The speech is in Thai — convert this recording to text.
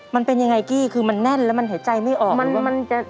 มันเป็นยังไงกี้คือมันแน่นแล้วมันหายใจไม่ออกมันจะ